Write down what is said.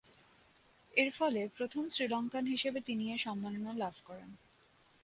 এরফলে প্রথম শ্রীলঙ্কান হিসেবে তিনি এ সম্মাননা লাভ করেন।